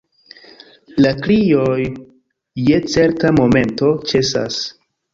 La krioj, je certa momento, ĉesas.